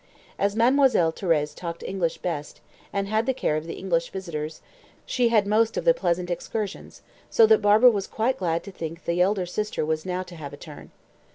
As Mademoiselle Thérèse talked English best, and had the care of the English visitors, she had most of the pleasant excursions, so that Barbara was quite glad to think the elder sister was now to have a turn.